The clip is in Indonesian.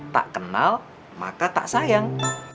tak kenal maka tak sayang